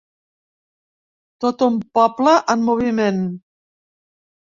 Tot un poble en moviment.